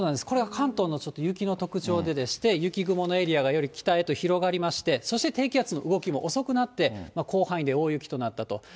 これが関東のちょっと雪の特徴でして、雪雲のエリアがより北へと広がりまして、そして低気圧の動きも遅くなって、広範囲で大雪となったと。